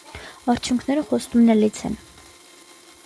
Արդյունքները խոստումնալից են: